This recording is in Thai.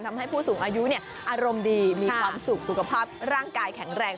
ผู้สูงอายุอารมณ์ดีมีความสุขสุขภาพร่างกายแข็งแรง